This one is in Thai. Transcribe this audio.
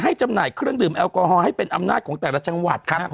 จำหน่ายเครื่องดื่มแอลกอฮอลให้เป็นอำนาจของแต่ละจังหวัดครับ